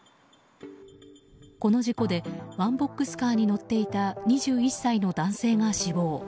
この事故でワンボックスカーに乗っていた２１歳の男性が死亡。